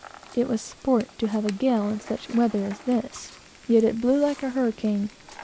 It was sport to have a gale in such weather as this. Yet it blew like a hurricane.